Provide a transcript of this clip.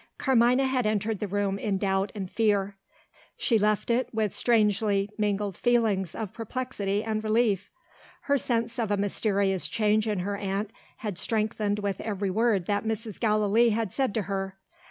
Carmina had entered the room in doubt and fear. She left it with strangely mingled feelings of perplexity and relief. Her sense of a mysterious change in her aunt had strengthened with every word that Mrs. Gallilee had said to her.